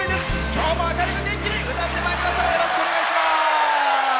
今日も明るく元気に歌ってまいりましょう！